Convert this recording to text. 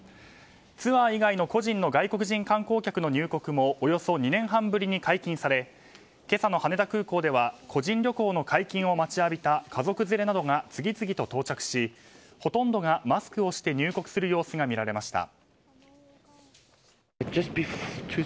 ツアー以外の個人の外国人観光客の入国もおよそ２年半ぶりに解禁され今朝の羽田空港では個人旅行の解禁を待ちわびた家族連れなどが次々と到着しほとんどがマスクをして入国する様子が見られました。